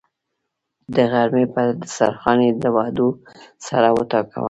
د غرمې پر دسترخان یې له وعدو سر وټکاوه.